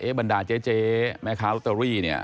บรรดาเจ๊แม่ค้าลอตเตอรี่เนี่ย